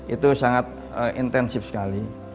itu sangat intensif sekali